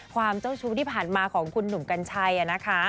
เจ้าชู้ที่ผ่านมาของคุณหนุ่มกัญชัยนะคะ